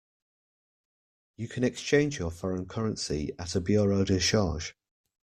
You can exchange your foreign currency at a bureau de change